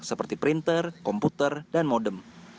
seperti printer komputer dan modem